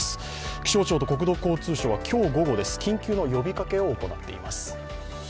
気象庁と国土交通省は今日午後、緊急の呼びかけを行っています。